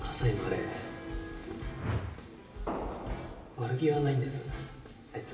悪気はないんですあいつ。